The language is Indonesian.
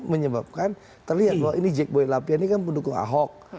menyebabkan terlihat bahwa ini jack boy lapian ini kan pendukung ahok